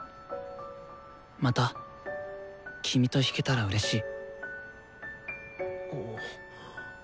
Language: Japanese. また君と弾けたらうれしい。